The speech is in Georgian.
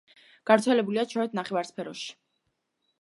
გავრცელებულია ჩრდილოეთ ნახევარსფეროში.